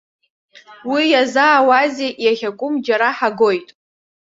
Уи иазаауазеи, иахьакәым џьара ҳагоит.